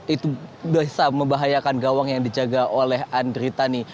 itu bisa membahayakan gawang yang dijaga oleh andri tani